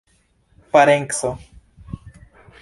parenco